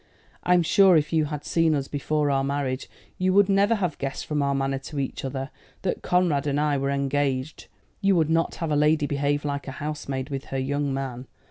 "I'm sure, if you had seen us before our marriage, you would never have guessed from our manner to each other that Conrad and I were engaged. You would not have a lady behave like a housemaid with her 'young man.'